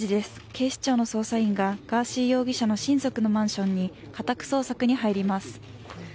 警視庁の捜査員がガーシー容疑者の親族のマンションに家宅捜索に入ります。